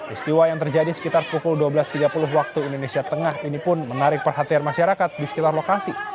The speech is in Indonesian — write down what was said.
istiwa yang terjadi sekitar pukul dua belas tiga puluh waktu indonesia tengah ini pun menarik perhatian masyarakat di sekitar lokasi